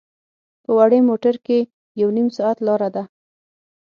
په وړې موټر کې یو نیم ساعت لاره ده.